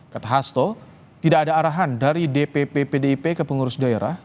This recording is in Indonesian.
kata hasto tidak ada arahan dari dpp pdip ke pengurus daerah